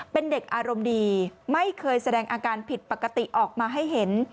เป็นเด็กอารมณ์ดีไม่เคยแสดงอาการผิดปกติออกมาให้เห็น